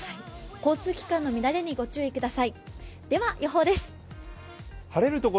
交通機関の乱れにご注意ください。